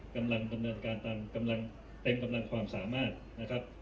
กำลังดำเนินการตามกำลังเต็มกำลังความสามารถนะครับ